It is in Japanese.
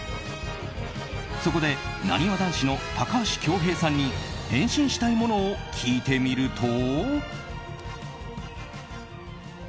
そこでなにわ男子の高橋恭平さんに変身したいものを聞いてみると。